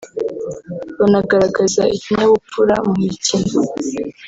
banagaragaza ikinyabupfura mu mukino